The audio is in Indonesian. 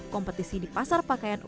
kompetisi di pasar pakaiannya